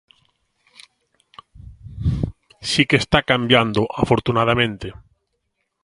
Si que está cambiando, afortunadamente.